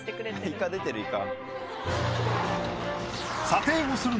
イカ出てるイカ。